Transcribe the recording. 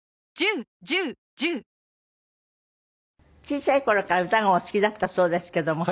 小さい頃から歌がお好きだったそうですけども。